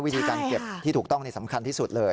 วิธีการเก็บที่ถูกต้องนี่สำคัญที่สุดเลย